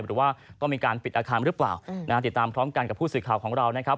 หรือว่าต้องมีการปิดอาคารหรือเปล่าติดตามพร้อมกันกับผู้สื่อข่าวของเรานะครับ